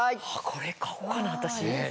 これ買おうかな私。